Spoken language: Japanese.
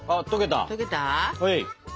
はい。